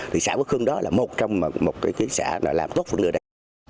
thì xã phước hưng đó là một trong một cái xã làm tốt của người này